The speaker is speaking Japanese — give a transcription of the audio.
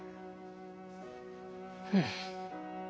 うん。